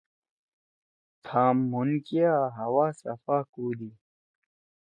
تھام مُھن کیا ہوا صفا کودی۔